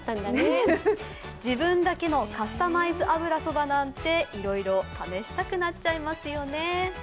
自分だけのカスタマイズ油そばなんていろいろ試したくなっちゃいますよね。